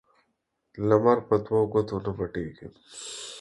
لمر په دوو گوتو نه پټېږي.